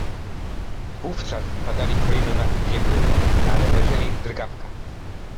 Wówczas padali kolejno na ziemię, ale leżeli w drgawkach.